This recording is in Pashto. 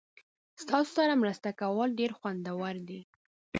ستاسو سره مرسته کول ډیر خوندور دي.